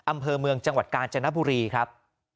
อำเภอเมืองจังหวัดกาญจนบุรีครับ